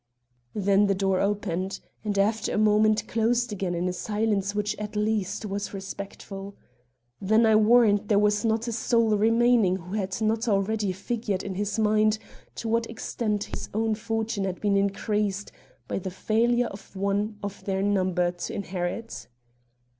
Then the door opened, and after a moment, closed again in a silence which at least was respectful. Yet I warrant there was not a soul remaining who had not already figured in his mind to what extent his own fortune had been increased by the failure of one of their number to inherit.